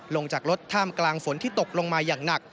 ลงจากรถท่ามกลางฝนที่ตกลงมาอย่างหนัก